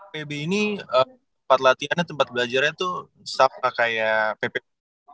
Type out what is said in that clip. pb ini tempat latihannya tempat belajarnya tuh sama kayak pp